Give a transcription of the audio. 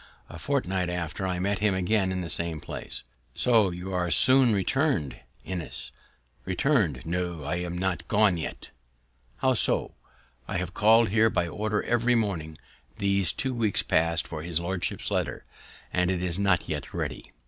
A fortnight after I met him again in the same place. "So, you are soon return'd, Innis?" "Return'd! no, I am not gone yet." "How so?" "I have called here by order every morning these two weeks past for his lordship's letter, and it is not yet ready."